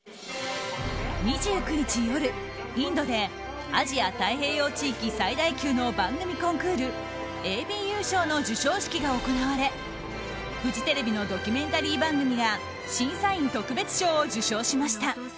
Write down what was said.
２９日夜、インドでアジア太平洋地域最大級の番組コンクールＡＢＵ賞の授賞式が行われフジテレビのドキュメンタリー番組が審査員特別賞を受賞しました。